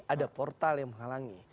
ada portal yang menghalangi